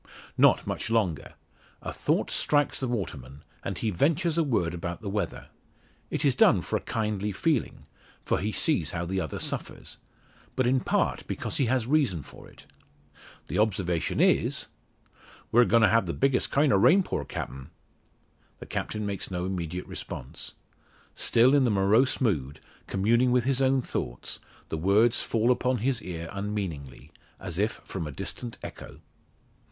Not much longer. A thought strikes the waterman, and he ventures a word about the weather. It is done for a kindly feeling for he sees how the other suffers but in part because he has a reason for it. The observation is "We're goin' to have the biggest kind o' a rainpour Captain." The Captain makes no immediate response. Still in the morose mood, communing with his own thoughts, the words fall upon his ear unmeaningly, as if from a distant echo.